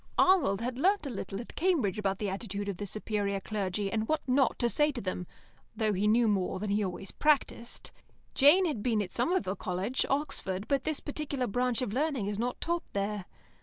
Arnold had learnt a little at Cambridge about the attitude of the superior clergy, and what not to say to them, though he knew more than he always practised. Jane had been at Somerville College, Oxford, but this particular branch of learning is not taught there.